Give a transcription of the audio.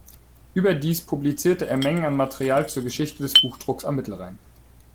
Überdies publizierte er Mengen an Material zur Geschichte des Buchdrucks am Mittelrhein.